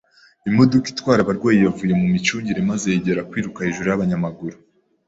Imodoka itwara abarwayi yavuye mu micungire maze yegera kwiruka hejuru y'umunyamaguru.